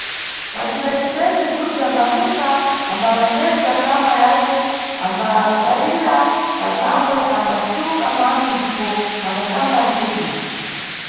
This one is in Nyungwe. Macibesebese, Zuze ambamuka, ambalongedza kama yace, ambapsayira pathambwe, ambatsuka mano ndipo ambasamba thupi.